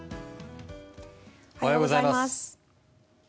おはようございます。